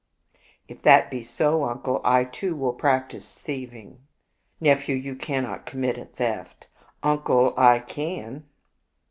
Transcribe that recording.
" If that be so, uncle, I too will practice thieving." " Nephew, you cannot commit a theft." " Uncle, I can."